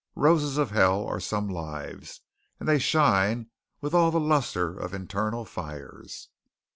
Roses of hell are some lives, and they shine with all the lustre of infernal fires.